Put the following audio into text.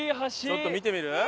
ちょっと見てみる？